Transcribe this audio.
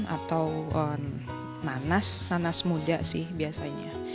atau nanas nanas muda sih biasanya